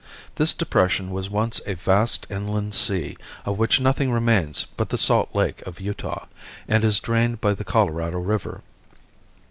This depression was once a vast inland sea, of which nothing remains but the Salt Lake of Utah, and is drained by the Colorado river.